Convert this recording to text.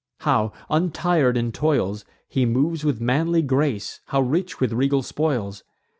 how, untir'd in toils, He moves with manly grace, how rich with regal spoils!